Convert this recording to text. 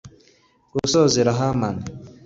Gasozera Haman